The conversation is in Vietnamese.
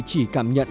chỉ cảm nhận